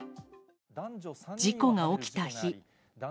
事故が起きた日。